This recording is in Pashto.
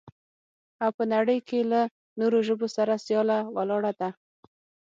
او په نړۍ کې له نورو ژبو سره سياله ولاړه ده.